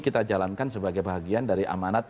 kita jalankan sebagai bagian dari amanat